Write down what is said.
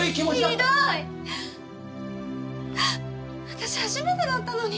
私初めてだったのに。